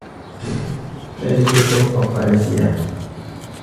ذلك يتوقف على السياق.